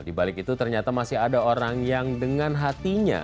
di balik itu ternyata masih ada orang yang dengan hatinya